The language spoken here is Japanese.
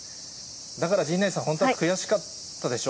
だから陣内さん、本当は悔しかったでしょ？